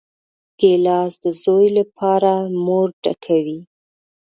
ګیلاس د زوی لپاره مور ډکوي.